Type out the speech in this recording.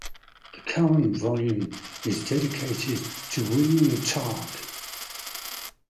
The current volume is dedicated to William Targ.